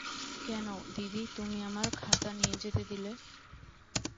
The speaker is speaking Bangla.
কেন, দিদি, তুমি আমার খাতা নিয়ে যেতে দিলে?